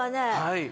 はい。